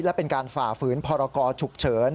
และเป็นการฝ่าฝืนพรกรฉุกเฉิน